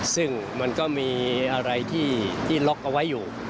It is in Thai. ซึ่งมันก็มีอะไรที่ล็อกเอาไว้อยู่